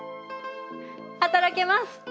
働けます！